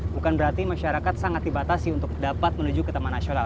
bukan berarti masyarakat sangat dibatasi untuk dapat menuju ke taman nasional